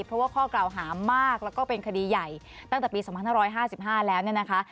เพราะว่าข้อกล่าวหามากแล้วก็เป็นคดีใหญ่ตั้งแต่ปี๒๕๕๕แล้วเนี่ยนะคะ